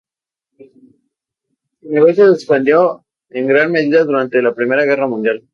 Su negocio se expandió en gran medida durante la Primera Guerra Mundial.